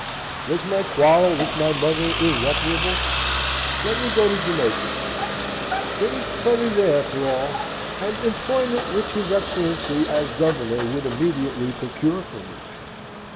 Was my quarrel with my mother irreparable? Let me go to Jamaica. There was plenty there for all, and employment which his Excellency as Governor would immediately procure for me.